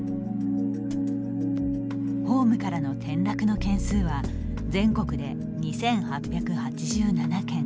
ホームからの転落の件数は全国で２８８７件。